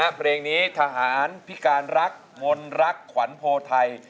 เพลงนี้ทหารพิการรักมดรักขวานโภไท้